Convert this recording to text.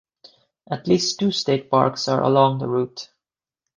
At least two state parks are along the route.